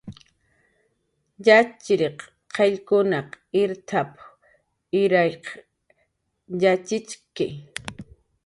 "Yatxchiriq qayllkun irt""p""a, irwaq yatxichki."